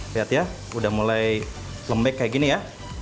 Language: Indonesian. lihat ya udah mulai lembek kayak gini ya